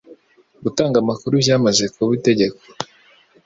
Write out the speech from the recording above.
gutanga amakuru byamaze kuba itegeko.